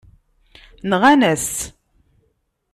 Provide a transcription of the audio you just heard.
Nɣan-as-tt.